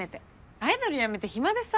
アイドルやめて暇でさ。